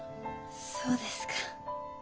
そうですか。